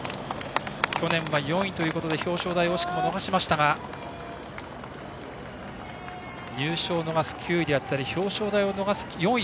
去年は４位ということで表彰台を惜しくも逃しましたが入賞を逃す９位であったり表彰台を逃す４位。